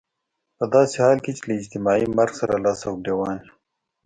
په داسې حال کې چې له اجتماعي مرګ سره لاس او ګرېوان يو.